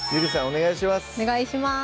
お願いします